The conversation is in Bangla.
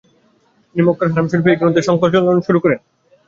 তিনি মক্কার হারাম শরীফে এই গ্রন্থের সংকলন শুরু করেন।